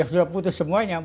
sudah putus semuanya